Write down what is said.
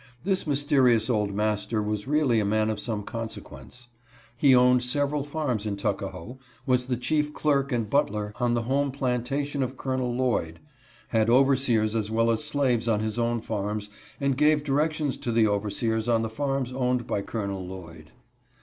This mysterious old master was really a man of some consequence. He owned several farms in Tuckahoe, was the chief clerk and butler on the home plantation of Colonel Lloyd, had overseers as well as slaves on his own farms, and gave directions to the overseers on the farms owned by Colonel Lloyd.